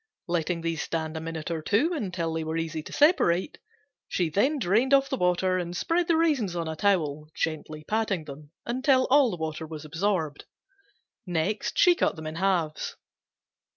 Letting these stand a minute or two until they were easy to separate, she then drained off the water and spread the raisins on a towel, gently patting them, until all the water was absorbed. Next she cut them in halves.